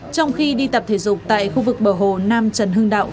trong khi đi tập thể dục tại khu vực bờ hồ nam trần hưng đạo